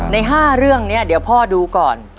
ใน๕เรื่องนี้เดี๋ยวพ่อดูก่อน